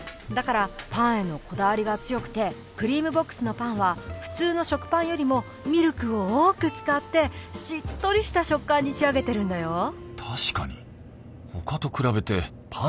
だから、パンへのこだわりが強くて、クリームボックスのパンは普通の食パンよりもミルクを多く使って、しっとりした食感に仕上げてるんだよ」。